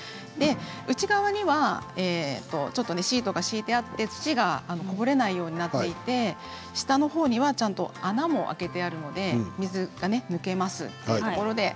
内側にはシートが敷いてあって土がこぼれないようになっていて下のほうには穴も開けてあるので水が抜けます。